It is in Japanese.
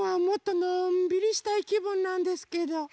もっとのんびりしたいきぶんなんですけど。